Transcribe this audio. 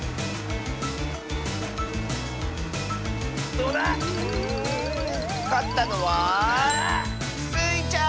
どうだ⁉んかったのはスイちゃん！